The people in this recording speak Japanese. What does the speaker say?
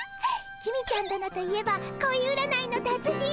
公ちゃん殿といえば恋占いの達人！